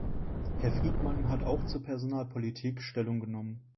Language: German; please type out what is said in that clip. Herr Friedmann hat auch zur Personalpolitik Stellung genommen.